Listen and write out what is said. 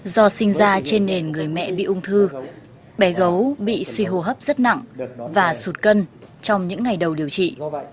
do sinh ra trên nền người mẹ bị ung thư bé gấu bị suy hô hấp rất nặng và sụt cân trong những ngày đầu điều trị